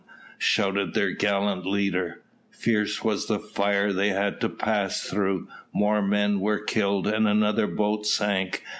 shouted their gallant leader. Fierce was the fire they had to pass through, more men were killed, and another boat sank.